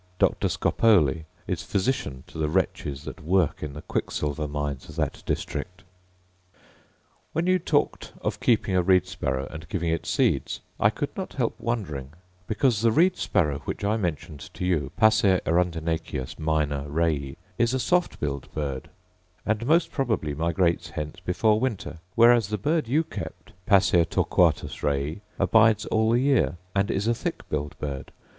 Dr. Scopoli is physician to the wretches that work in the quicksilver mines of that district. * This work he calls his Annus Primus Historico Naturalis. When you talked of keeping a reed sparrow, and giving it seeds, I could not help wondering; because the reed sparrow which I mentioned to you (passer arundinaceus minor Raii) is a soft billed bird; and most probably migrates hence before winter; whereas the bird you kept (passer torquatus Raii) abides all the year, and is a thick billed bird.